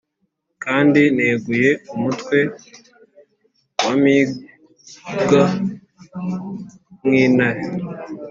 kandi neguye umutwe wampīga nk’intare,